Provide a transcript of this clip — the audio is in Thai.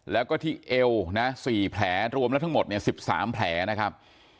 แล้วก็ที่เอวนะ๔แผลรวมแล้วทั้งหมด๑๓แผลนะครับ